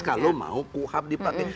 kalau mau kuhab dipakai